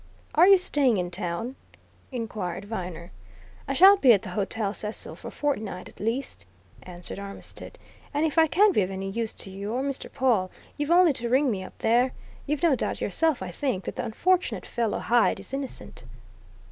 "Are you staying in town?" inquired Viner. "I shall be at the Hotel Cecil for a fortnight at least," answered Armitstead. "And if I can be of any use to you or Mr. Pawle, you've only to ring me up there. You've no doubt yourself, I think, that the unfortunate fellow Hyde is innocent?"